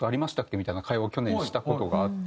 みたいな会話を去年した事があって。